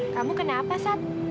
kamu kenapa sat